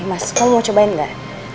mas kamu mau cobain nggak